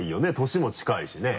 年も近いしね。